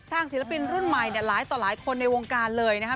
ศิลปินรุ่นใหม่หลายต่อหลายคนในวงการเลยนะคะ